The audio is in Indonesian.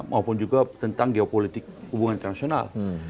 maupun juga tentang geopolitik hubungan internasional